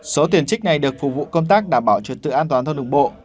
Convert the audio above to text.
số tiền trích này được phục vụ công tác đảm bảo trật tự an toàn thông đồng bộ